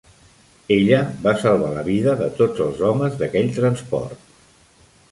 Ella va salvar la vida de tots els homes d'aquell transport.